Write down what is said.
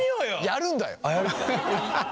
やるんだよ！